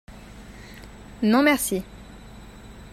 Non merci.